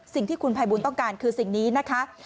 สิ่งที่คุณภัยบูลต้องการคือสิ่งนี้นะคะ